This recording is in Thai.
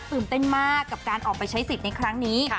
ตื่นเต้นมากกับการออกไปใช้สิทธิ์ในครั้งนี้